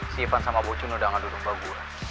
si ivan sama bocun udah gak duduk sama gue